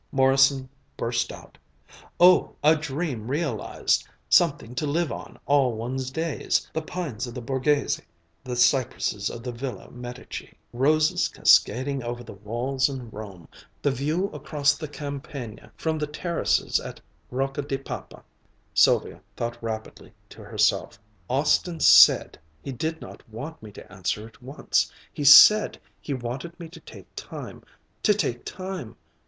Morrison burst out: "Oh, a dream realized! Something to live on all one's days, the pines of the Borghese the cypresses of the Villa Medici roses cascading over the walls in Rome, the view across the Campagna from the terraces at Rocca di Papa " Sylvia thought rapidly to herself: "Austin said he did not want me to answer at once. He said he wanted me to take time to take time!